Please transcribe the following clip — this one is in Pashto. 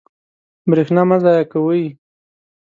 برېښنا مه ضایع کوئ.